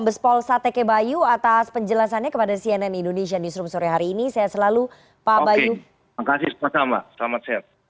bahkan cina menbt